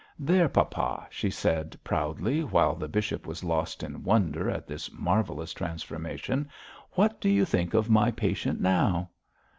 'There, papa,' she said proudly, while the bishop was lost in wonder at this marvellous transformation. 'What do you think of my patient now?'